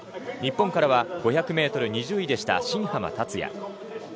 日本からは５００ｍ２０位でした、新濱立也。